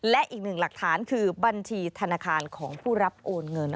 และอีกหนึ่งหลักฐานคือบัญชีธนาคารของผู้รับโอนเงิน